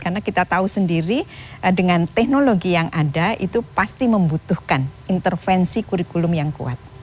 karena kita tahu sendiri dengan teknologi yang ada itu pasti membutuhkan intervensi kurikulum yang kuat